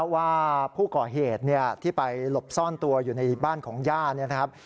ว่าผู้ก่อเหตุที่ไปหลบซ่อนตัวอยู่ในบ้านของย่าเนี่ยนะครับ